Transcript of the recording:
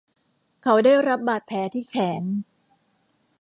เขาได้รับบาดแผลที่แขน